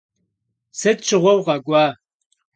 Sıt şığue vukhak'ua?